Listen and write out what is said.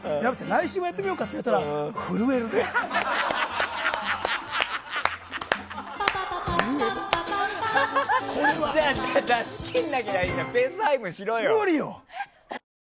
来週もやってみようかってなったら皆さん